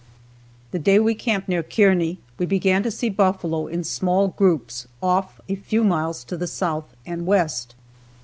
The day we camped near Kearney we began to see buffalo in small groups off a few miles to the south and west.